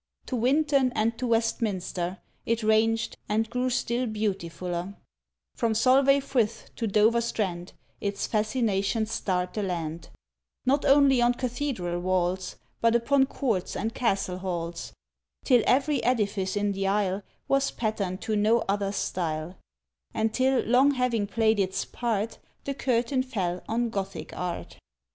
— To Winton and to Westminster It ranged, and grew still beautifuller: From Solway Frith to Dover Strand Its fascinations starred the land, Not only on cathedral walls But upon courts and castle halls, Till every edifice in the isle Was patterned to no other style, And till, long having played its part, The curtain fell on Gothic art.